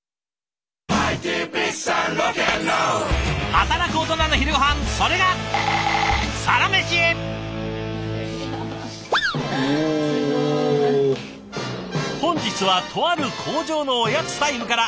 働くオトナの昼ごはんそれが本日はとある工場のおやつタイムから。